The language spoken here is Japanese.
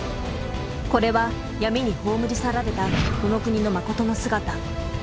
これは闇に葬り去られたこの国のまことの姿。